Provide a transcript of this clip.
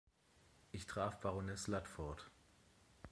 Ich traf Baroness Ludford.